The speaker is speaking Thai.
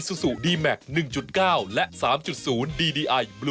สวัสดีครับ